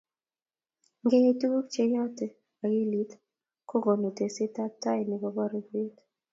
ngeyai tukuk che yote akilit ko konu teset ab tai ne bo pororiet